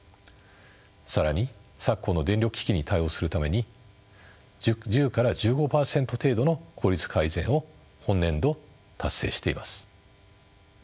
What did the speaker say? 更に昨今の電力危機に対応するために１０から１５％程度の効率改善を本年度達成しています。